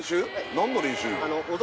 何の練習？